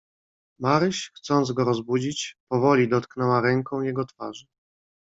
"Maryś chcąc go rozbudzić, powoli dotknęła ręką jego twarzy."